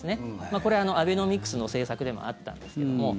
これ、アベノミクスの政策でもあったんですけども。